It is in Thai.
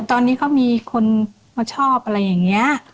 ตอนนี้ก็มีคนมาชอบอะไรอย่างนี้